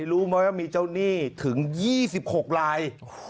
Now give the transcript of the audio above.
รู้ไหมว่ามีเจ้าหนี้ถึง๒๖ราย